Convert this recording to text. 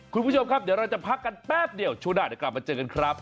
คุณผู้ชมครับเดี๋ยวเราจะพักกันแป๊บเดียวช่วงหน้าเดี๋ยวกลับมาเจอกันครับ